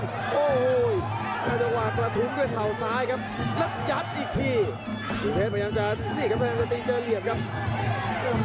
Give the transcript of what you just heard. โอ้โหได้จังหวะกระทุบด้วยเข่าซ้ายครับแล้วยัดอีกทีคุณเพชรพยายามจะนี่ครับพยายามจะตีเจอเหลี่ยมครับ